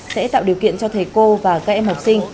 sẽ tạo điều kiện cho thầy cô và các em học sinh